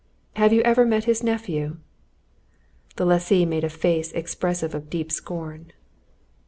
"Have you ever met his nephew?" The lessee made a face expressive of deep scorn.